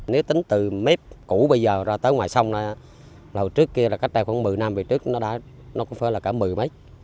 nếu tính từ mép cũ bây giờ ra tới ngoài sông trước kia là cách đây khoảng một mươi năm về trước nó đã có phải là cả một mươi mét